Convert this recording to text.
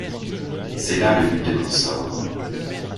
C’est là le but de mon sort.